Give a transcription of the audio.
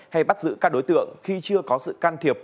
hay bắt giữ các đối tượng khi chưa có sự can thiệp